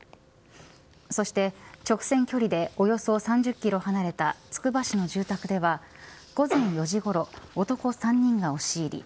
そして直線距離でおよそ３０キロ離れたつくば市の住宅では午前４時ごろ男３人が押し入り